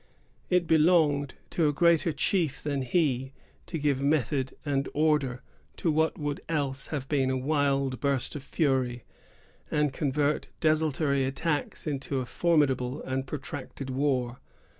It belonged to a greater chief than he to give method and order to what would else have been a wild burst of fury, and convert desultory attacks into a formidable and protracted war.